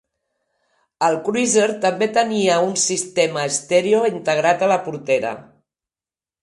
El Cruiser també tenia un sistema estèreo integrat a la portera.